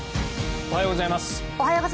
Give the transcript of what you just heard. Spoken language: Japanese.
おはようございます。